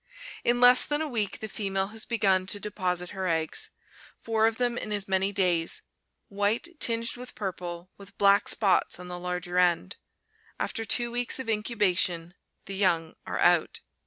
In less than a week the female has begun to deposit her eggs, four of them in as many days, white tinged with purple, with black spots on the larger end. After two weeks of incubation the young are out.